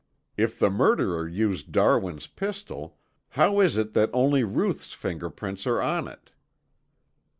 If the murderer used Darwin's pistol, how is it that only Ruth's finger prints are on it?"